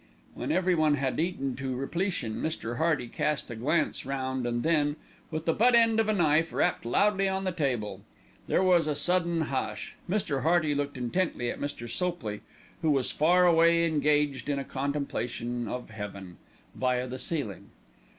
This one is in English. When everyone had eaten to repletion, Mr. Hearty cast a glance round and then, with the butt end of a knife, rapped loudly on the table. There was a sudden hush. Mr. Hearty looked intently at Mr. Sopley, who was far away engaged in a contemplation of heaven, via the ceiling.